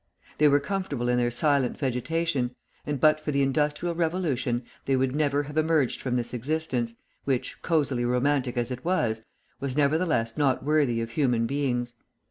They were comfortable in their silent vegetation, and but for the industrial revolution they would never have emerged from this existence, which, cosily romantic as it was, was nevertheless not worthy of human beings.